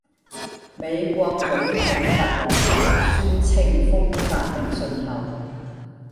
美國總統特朗普宣稱封殺微信後